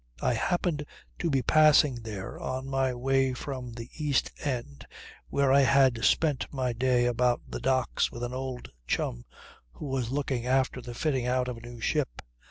I happened to be passing there on my way from the East End where I had spent my day about the Docks with an old chum who was looking after the fitting out of a new ship.